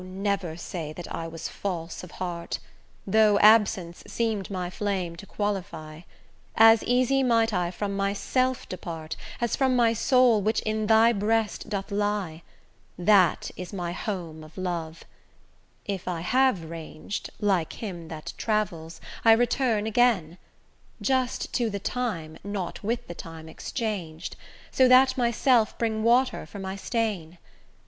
never say that I was false of heart, Though absence seem'd my flame to qualify, As easy might I from my self depart As from my soul which in thy breast doth lie: That is my home of love: if I have rang'd, Like him that travels, I return again; Just to the time, not with the time exchang'd, So that myself bring water for my stain.